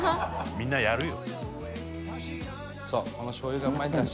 「みんなやるよ」